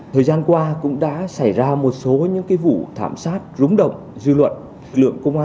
thời gian qua cũng đã xảy ra một số những cái vụ thảm sát rúng động dư luận